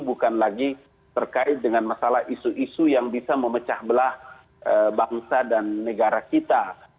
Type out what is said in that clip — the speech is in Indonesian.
bukan lagi terkait dengan masalah isu isu yang bisa memecah belah bangsa dan negara kita